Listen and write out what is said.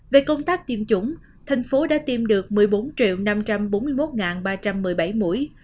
về công tác tiêm chủng thành phố đã tiêm được một mươi bốn năm trăm bốn mươi một ba trăm một mươi bảy mũi